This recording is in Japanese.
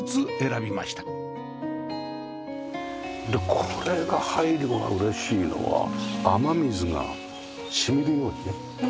でこれが入るのが嬉しいのは雨水が染みるようにね通るように。